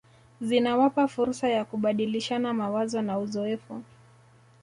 Zinawapa fursa ya kubadilishana mawazo na uzoefu